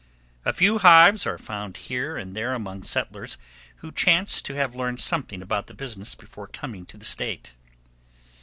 A few hives are found here and there among settlers who chanced to have learned something about the business before coming to the State.